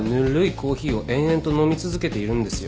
コーヒーを延々と飲み続けているんですよ。